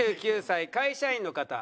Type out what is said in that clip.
２９歳会社員の方。